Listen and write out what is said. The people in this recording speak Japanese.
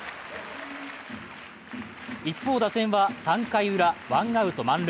一方、打線は３回ウラ、ワンアウト満塁。